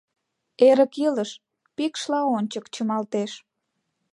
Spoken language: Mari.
Эрык илыш Пикшла ончык чымалтеш.